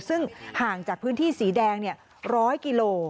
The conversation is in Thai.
ซึ่งห่างจากพื้นที่สีแดง๑๐๐กิโล